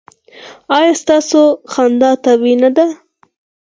ایا ستاسو خندا طبیعي نه ده؟